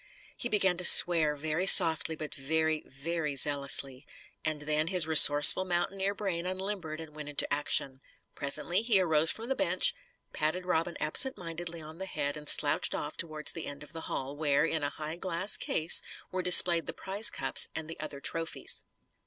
He began to swear, very softly but very, very zealously. And then his resourceful mountaineer brain unlimbered and went into action. Presently, he arose from the bench, patted Robin absentmindedly on the head and slouched off towards the end of the hall, where, in a high glass case, were displayed the prize cups and the other trophies.